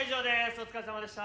お疲れさまでした。